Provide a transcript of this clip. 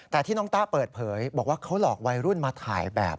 แต่ที่น้องต้าเปิดเผยบอกว่าเขาหลอกวัยรุ่นมาถ่ายแบบ